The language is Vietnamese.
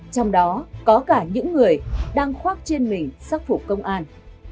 trong đó có cả những người đang khoác trên mình sắc phục công an